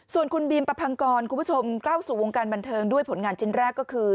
ส่วนคุณบีมประพังกรคุณผู้ชมเข้าสู่วงการบันเทิงด้วยผลงานชิ้นแรกก็คือ